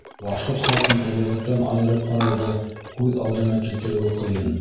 Башҡорт халҡын тәбиғәттән айырып ҡарауҙы күҙ алдына килтереүе ҡыйын.